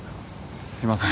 すいません。